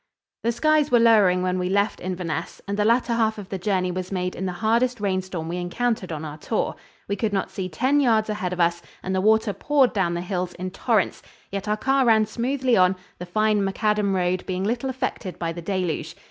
The skies were lowering when we left Inverness and the latter half of the journey was made in the hardest rainstorm we encountered on our tour. We could not see ten yards ahead of us and the water poured down the hills in torrents, yet our car ran smoothly on, the fine macadam road being little affected by the deluge.